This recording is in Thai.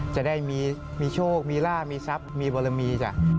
จะได้มีโชคมีล่ามีซัพมีบรมี